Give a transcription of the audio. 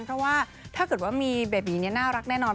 เพราะว่าถ้าเกิดว่ามีเบบีน่ารักแน่นอน